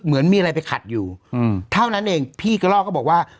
เหมือนมีอะไรไปขัดอยู่เท่านั้นเองพี่กระลอกก็บอกว่า